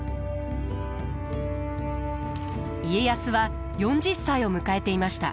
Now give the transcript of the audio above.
家康は４０歳を迎えていました。